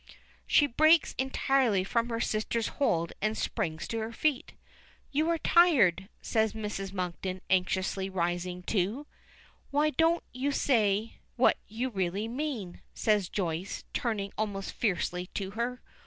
She breaks entirely from her sister's hold and springs to her feet. "You are tired," says Mrs. Monkton, anxiously, rising too. "Why don't you say what you really mean?" says Joyce, turning almost fiercely to her.